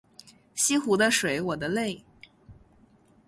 西湖的水我的泪